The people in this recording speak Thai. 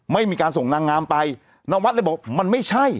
ไม่มีการส่งนางงามไปนวัดเลยบอกมันไม่ใช่